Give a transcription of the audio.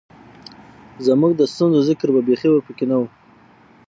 زمونږ د ستونزو ذکــــــر به بېخي ورپکښې نۀ وۀ